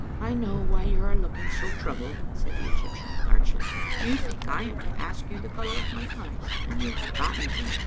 " I know why you are looking so troubled," said the Egyptian, archly. "You think I am to ask you the colour of my eyes, and you have forgotten again."